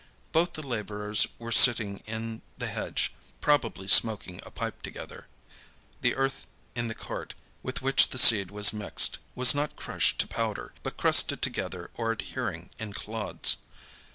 Both the laborers were sitting in the hedge, probably smoking a pipe together. The earth in the cart, with which the seed was mixed, was not crushed to powder, but crusted together or adhering in clods.